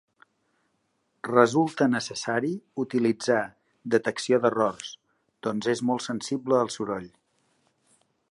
Resulta necessari utilitzar detecció d'errors doncs és molt sensible al soroll.